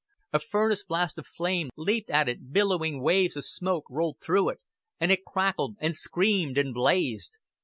A furnace blast of flame leaped at it, billowing waves of smoke rolled through it; and it crackled and screamed and blazed.